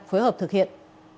phối hợp thực hiện